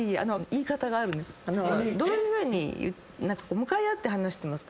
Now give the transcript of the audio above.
どういうふうに向かい合って話してますか？